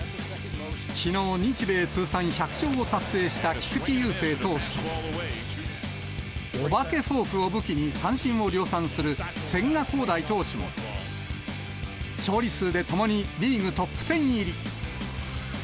きのう、日米通算１００勝を達成した菊池雄星投手とおばけフォークを武器に三振を量産する千賀滉大投手も、勝利数でともにリーグトップ１０入り。